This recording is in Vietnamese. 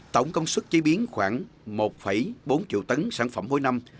tổng công suất chế biến khoảng một bốn triệu tấn sản phẩm mỗi năm